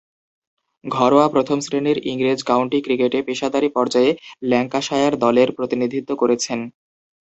ঘরোয়া প্রথম-শ্রেণীর ইংরেজ কাউন্টি ক্রিকেটে পেশাদারী পর্যায়ে ল্যাঙ্কাশায়ার দলের প্রতিনিধিত্ব করেছেন।